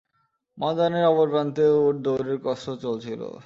ময়দানের অপর প্রান্তে উট দৌড়ের কসরত চলছিল।